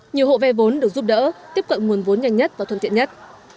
nhiều hộ vay vốn được giúp đỡ tiếp cận nguồn vốn nhanh nhất và thuận tiện nhất